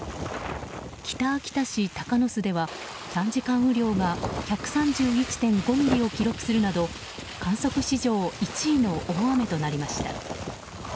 北秋田市鷹巣では３時間雨量が１３１．５ミリを記録するなど観測史上１位の大雨となりました。